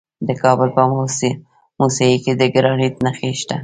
د کابل په موسهي کې د ګرانیټ نښې شته.